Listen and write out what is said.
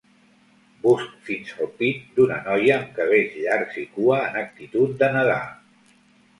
Bust fins al pit d'una noia amb cabells llargs i cua en actitud de nedar.